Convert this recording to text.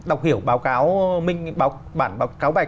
đọc hiểu báo cáo bản báo cáo bạch